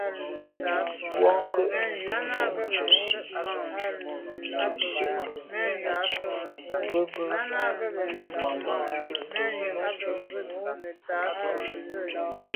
Bwɔ́ŋkə́’ nɛ̀n cɔ́sì ndʉ sɛ́ɛ̀nî ndɛ́mbə̄ júp màmá cúptə́ úp.